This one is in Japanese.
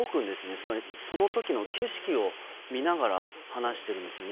つまり、その時の景色を見ながら話してるんですよね。